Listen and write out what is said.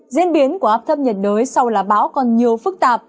diễn biến của áp thấp nhiệt đới sau là bão còn nhiều phức tạp